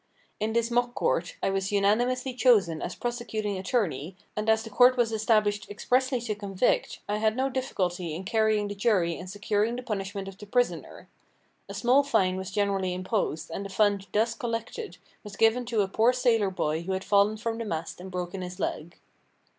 In this mock court, I was unanimously chosen as prosecuting attorney, and as the court was established expressly to convict, I had no difficulty in carrying the jury and securing the punishment of the prisoner. A small fine was generally imposed, and the fund thus collected was given to a poor sailor boy who had fallen from the mast and broken his leg.